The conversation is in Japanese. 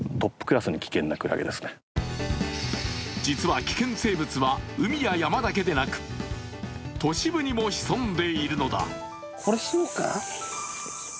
実は危険生物は海や山だけでなく、都市部にも潜んでいるのだ。